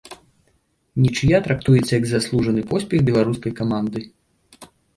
Нічыя трактуецца як заслужаны поспех беларускай каманды.